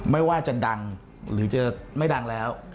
ไม่ว่าจะดังหรือจะไม่ดังแล้ว